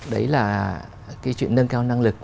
đấy là cái chuyện nâng cao năng lực